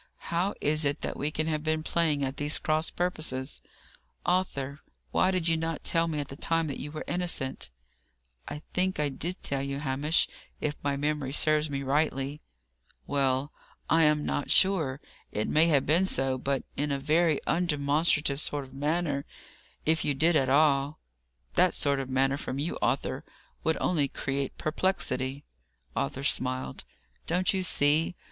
"How is it that we can have been playing at these cross purposes, Arthur? Why did you not tell me at the time that you were innocent?" "I think I did tell you so, Hamish: if my memory serves me rightly." "Well, I am not sure; it may have been so; but in a very undemonstrative sort of manner, if you did at all. That sort of manner from you, Arthur, would only create perplexity." Arthur smiled. "Don't you see?